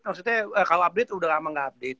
maksudnya kalo update udah lama ga update